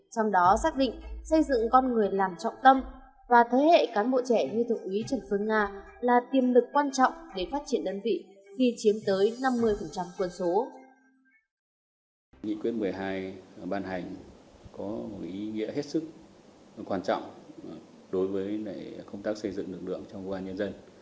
trong đó xác định xây dựng con người làm trọng tâm và thế hệ cán bộ trẻ như thượng úy trần phương nga